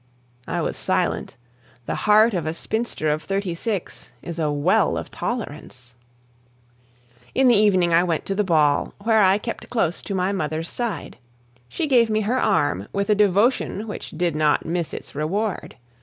I was silent. The heart of a spinster of thirty six is a well of tolerance. In the evening I went to the ball, where I kept close to my mother's side. She gave me her arm with a devotion which did not miss its reward.